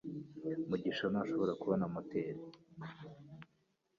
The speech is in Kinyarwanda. mugisha ntashobora kubona moteri